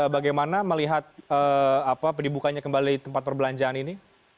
bagaimana melihat dibukanya kembali tempat perbelanjaan ini